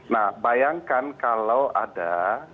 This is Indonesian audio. nah bayangkan kalau ada